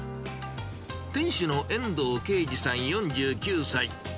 店主の遠藤けいじさん４９歳。